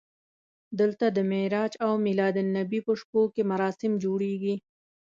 دلته د معراج او میلادالنبي په شپو کې مراسم جوړېږي.